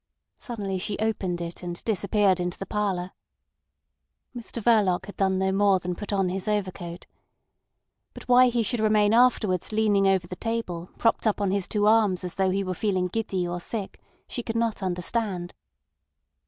Suddenly she opened it, and disappeared into the parlour. Mr Verloc had done no more than put on his overcoat. But why he should remain afterwards leaning over the table propped up on his two arms as though he were feeling giddy or sick, she could not understand.